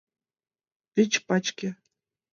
Вич пачке!